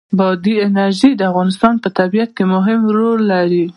بادي انرژي د افغانستان په طبیعت کې مهم رول لري.